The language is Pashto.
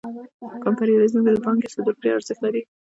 په امپریالیزم کې د پانګې صدور ډېر ارزښت لري